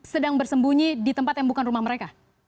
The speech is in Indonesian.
sedang bersembunyi di tempat yang bukan rumah mereka